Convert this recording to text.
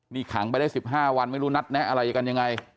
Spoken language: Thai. นี่ขังไปได้๑๕วันไม่รู้นัดแนะอะไรกันยังไง